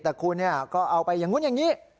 แต่คุณก็เอาไปอย่างนู้นอย่างนี้